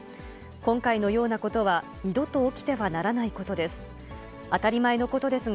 今回のようなことは二度と起きてはならないことです。